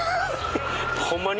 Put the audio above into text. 「ホンマに？」